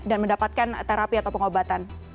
dan mendapatkan terapi atau pengobatan